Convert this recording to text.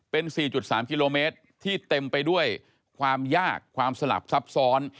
เป็น๔๓กิโลเมตรที่เต็มไปด้วยความยากความสลับซับซ้อน